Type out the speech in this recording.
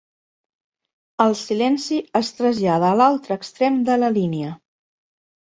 El silenci es trasllada a l'altre extrem de la línia.